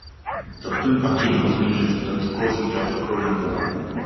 The film actually was released in the closing days of the Korean War.